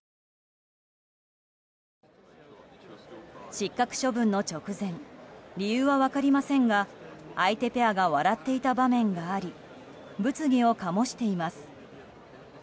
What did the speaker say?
失格処分の直前理由は分かりませんが相手ペアが笑っていた場面があり物議を醸しています。